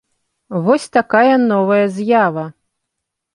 Вось такая новая з'ява.